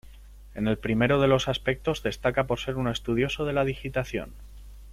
En el primero de los aspectos destaca por ser un estudioso de la digitación.